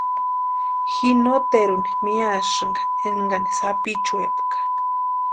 Ji noteruni miasïnka énkani sapichuepka.